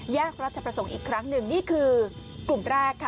รัชประสงค์อีกครั้งหนึ่งนี่คือกลุ่มแรกค่ะ